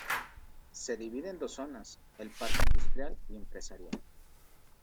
Se divide en dos zonas, el Parque Industrial y Empresarial.